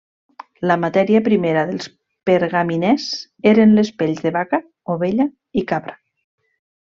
La matèria primera dels pergaminers eren les pells de vaca, ovella i cabra.